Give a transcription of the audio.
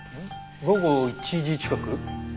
午後１時近く。